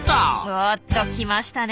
おっと来ましたね